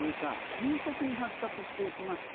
急速に発達していきまして